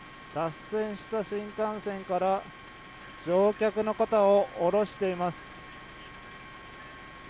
脱線した新幹線から乗客の方を降ろしています。